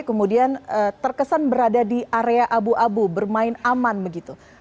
kemudian terkesan berada di area abu abu bermain aman begitu